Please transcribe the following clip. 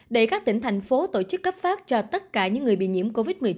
để các tỉnh thành phố tổ chức cấp phát cho tất cả những người bị nhiễm covid một mươi chín